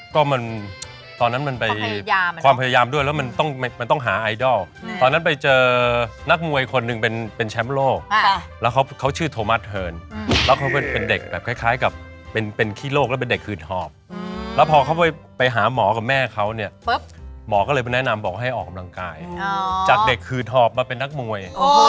ก็มันตอนนั้นมันไปความพยายามด้วยแล้วมันต้องมันต้องหาไอดอลตอนนั้นไปเจอนักมวยคนหนึ่งเป็นแชมป์โลกแล้วเขาชื่อโทมัสเทิร์นแล้วเขาเป็นเด็กแบบคล้ายกับเป็นขี้โลกแล้วเป็นเด็กขืดหอบแล้วพอเขาไปหาหมอกับแม่เขาเนี่ยปุ๊บหมอก็เลยไปแนะนำบอกให้ออกกำลังกายจากเด็กขืดหอบมาเป็นนักมวย